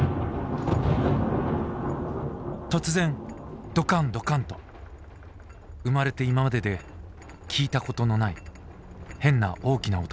「突然ドカンドカンと生まれていままでで聞いたことのない変な大きな音がする。